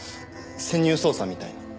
潜入捜査みたいな？